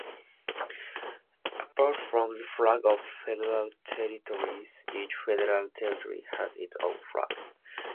Apart from the flag of Federal Territories, each federal territory has its own flag.